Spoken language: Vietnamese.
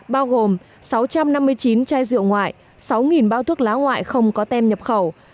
bao gồm sáu trăm năm mươi chín chai rượu ngoại sáu bao thuốc lá ngoại không có tem nhập khẩu